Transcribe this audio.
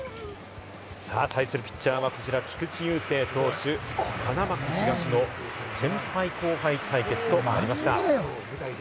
対するピッチャーは、こちら菊池雄星投手、花巻東の先輩、後輩対決となりました。